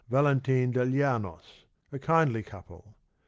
Valentine de Llanos, a kindly couple.